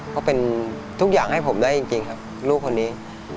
เพราะเป็นทุกอย่างให้ผมได้จริงครับลูกคนนี้